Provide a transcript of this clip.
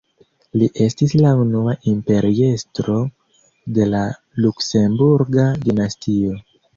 Li estis la unua imperiestro de la Luksemburga dinastio.